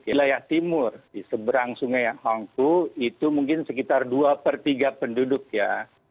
wilayah timur di seberang sungai hongku itu mungkin sekitar dua per tiga penduduk ya